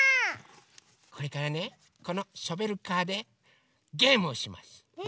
これからねこのショベルカーでゲームをします。え？